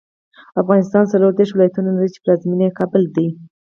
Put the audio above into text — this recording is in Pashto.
افغانستان څلوردېرش ولایتونه لري، چې پلازمېنه یې کابل دی.